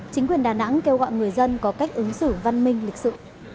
chính quyền đà nẵng kêu gọi người dân có cách ứng xử văn minh lịch sự